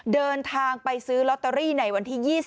เดินทางไปซื้อลอตเตอรี่ในวันที่๒๒